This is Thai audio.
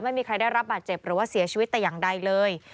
ไม่มีใครได้รับบาดเจ็บหรือว่าเสียชีวิตแต่อย่างใดเลย